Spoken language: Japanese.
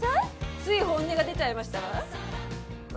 つい本音が出ちゃいましたわ。